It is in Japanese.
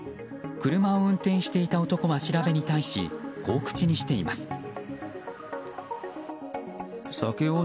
車を運転していた男は調べに対しこう口にしています。